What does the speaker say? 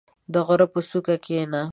• د غره په څوکه کښېنه.